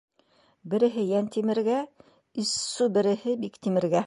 Береһе Йәнтимергә, иссу береһе Биктимергә...